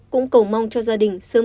cũng cầu mong cho gia đình chị